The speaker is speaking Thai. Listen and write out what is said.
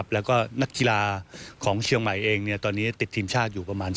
แล้วก็นักกีฬาของเชียงใหม่เองตอนนี้ติดทีมชาติอยู่ประมาณ